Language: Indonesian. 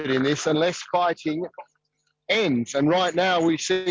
dan sekarang kita melihat pergerakan di seluruh kota kota itu